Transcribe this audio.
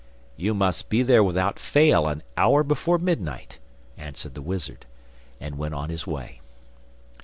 'You must be there without fail an hour before midnight,' answered the wizard, and went on his way.